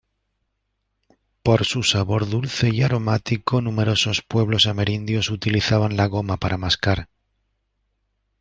Por su sabor dulce y aromático, numerosos pueblos amerindios utilizaban la goma para mascar.